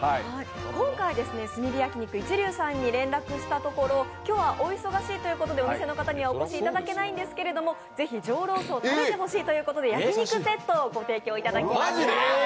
今回、炭火焼肉一龍さんに連絡したところ、今日はお忙しいということでお店の方にはお越しいただけないんですけれども、ぜひ上ロースを食べてほしいということで焼き肉セットをご提供いただきました。